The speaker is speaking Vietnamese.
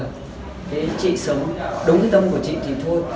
cái chị sống đúng với tâm của chị thì thôi